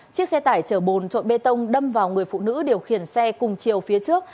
chiếc xe tải chở bồn trộn bê tông đâm vào người phụ nữ điều khiển xe cùng chiều phía trước